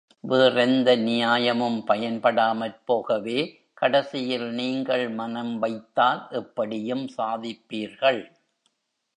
வேறெந்த நியாயமும் பயன்படாமற் போகவே, கடைசியில் நீங்கள் மனம் வைத்தால் எப்படியும் சாதிப்பீர்கள்.